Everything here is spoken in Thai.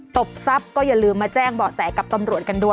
บทรัพย์ก็อย่าลืมมาแจ้งเบาะแสกับตำรวจกันด้วย